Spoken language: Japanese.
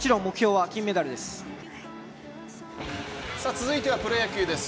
続いてはプロ野球です。